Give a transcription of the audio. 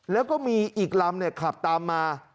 แล้วก็มีอีกลำขับตามมา